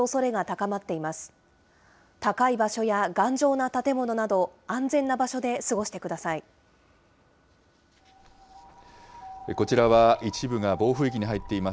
高い場所や頑丈な建物など、安全な場所で過ごしてください。